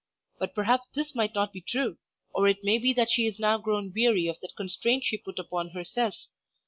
But perhaps this might not be true, or it may be she is now grown weary of that constraint she put upon herself.